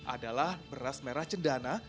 adalah beras merah cendana